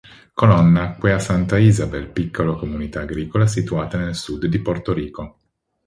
Colón nacque a Santa Isabel, piccola comunità agricola situata nel Sud di Porto Rico.